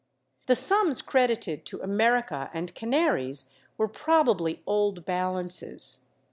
The sums credited to America and Canaries were probably old balances.